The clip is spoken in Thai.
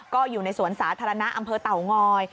ก็อยู่ในสวนสาธารณะอำเภอเต่างอย